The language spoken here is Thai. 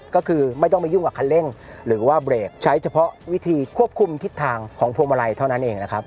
ก็คือไม่ต้องไปยุ่งกับคันเร่งหรือว่าเบรกใช้เฉพาะวิธีควบคุมทิศทางของพวงมาลัยเท่านั้นเองนะครับ